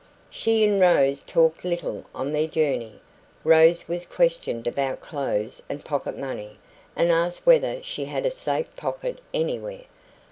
She and Rose talked little on their journey. Rose was questioned about clothes and pocket money, and asked whether she had a safe pocket anywhere.